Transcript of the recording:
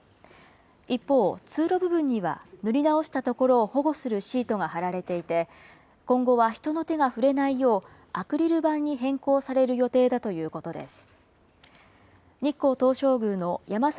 一方、通路部分には、塗り直したところを保護するシートが張られていて、今後は人の手が触れないよう、アクリル板に変更される予定だということです。